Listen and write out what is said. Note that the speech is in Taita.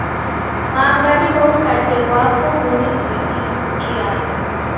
Manga nigho mkate ghwapo ghunisingiagha.